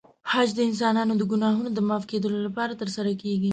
حج د انسانانو د ګناهونو د معاف کېدو لپاره ترسره کېږي.